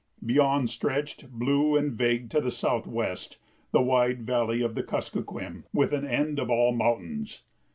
Beyond stretched, blue and vague to the southwest, the wide valley of the Kuskokwim, with an end of all mountains.